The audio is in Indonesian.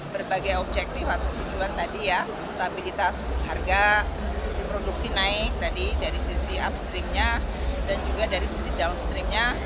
berbagai objektif atau tujuan tadi ya stabilitas harga produksi naik tadi dari sisi upstreamnya dan juga dari sisi downstreamnya